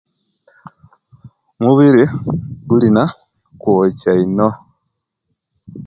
Omubiri gulina kwokya ino